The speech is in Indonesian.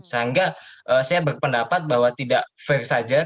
sehingga saya berpendapat bahwa tidak fair saja